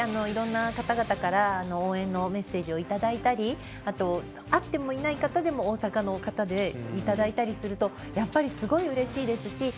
いろんな方々から応援のメッセージをいただいたり会ってもいない方でも大阪の方からいただいたりするとすごい、うれしいですし。